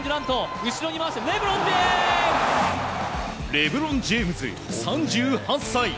レブロン・ジェームズ、３８歳。